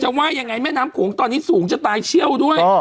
จะว่ายยังไงแม่น้ำโขงว้ายของตอนนี้สุ่งตายเชี่ยวด้วย